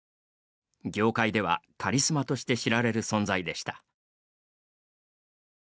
業界ではカリスマとして知られる存在でした。